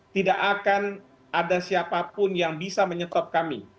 tidak akan ada siapapun yang bisa menyetop kami